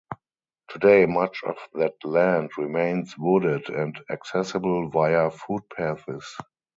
Today much of that land remains wooded and accessible via footpaths.